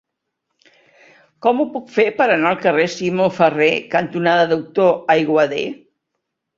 Com ho puc fer per anar al carrer Simó Ferrer cantonada Doctor Aiguader?